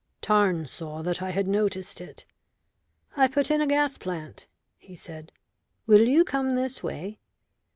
Tarn saw that I had noticed it. "I put in a gas plant," he said. "Will you come this way?"